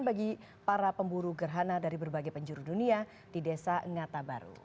bagi para pemburu gerhana dari berbagai penjuru dunia di desa ngata baru